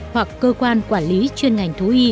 hoặc cơ quan quản lý chuyên ngành thú y